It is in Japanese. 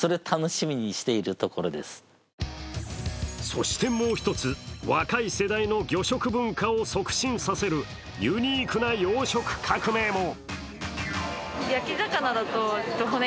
そしてもう１つ、若い世代の魚食文化を促進させるユニークな養殖革命も。